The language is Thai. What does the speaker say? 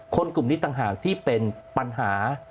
กลุ่มนี้ต่างหากที่เป็นปัญหา